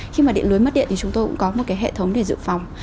khi mà điện lưới mất điện thì chúng tôi cũng có một cái hệ thống để dự phòng